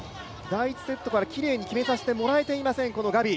第１セットからきれいに決めさせてもらえていません、ガビ。